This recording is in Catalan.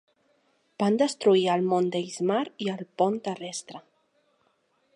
Van destruir el mont Deismaar i el pont terrestre.